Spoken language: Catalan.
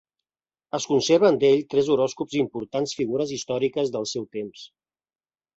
Es conserven d'ell tres horòscops d'importants figures històriques del seu temps.